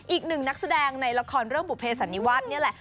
อีกหนึ่งนักแสดงในละครเรื่องบุภเสันนิวาสนี่แหละ